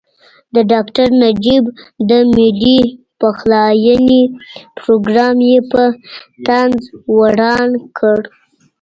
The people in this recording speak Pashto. د ډاکټر نجیب د ملي پخلاینې پروګرام یې په طنز وران کړ.